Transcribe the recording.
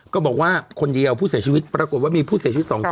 ก็บอกว่าคนเดียวผู้เสียชีวิตปรากฏว่ามีผู้เสียชีวิต๒คน